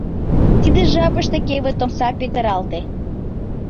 Тиде жапыште кевыт омса петыралте.